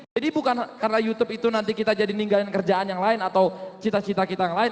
jadi bukan karena youtube itu nanti kita jadi ninggalin kerjaan yang lain atau cita cita kita yang lain